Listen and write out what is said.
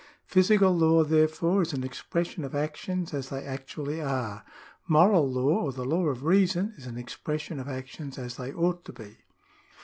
Physical law, therefore, is an expression of actions as they actually are ; moral law, or the law of reason, is an expression of actions as they ought to be.